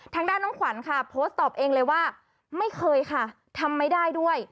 ทางด้านน้องขวัญค่ะโพสต์ตอบเองเลยว่าไม่เคยค่ะทำไม่ได้ด้วย